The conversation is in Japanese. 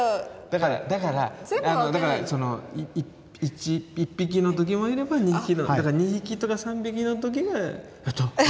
だからだからだから１匹の時もいれば２匹とか３匹の時はやった！